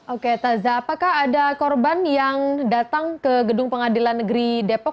oke taza apakah ada korban yang datang ke gedung pengadilan negeri depok